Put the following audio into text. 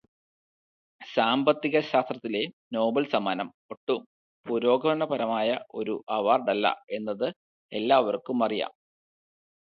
സാമ്പത്തികശാസ്ത്രത്തിലെ Nobel സമ്മാനം ഒട്ടും പുരോഗമനപരമായ ഒരു അവാർഡല്ല എന്നത് എല്ലാവർക്കുമറിയാം.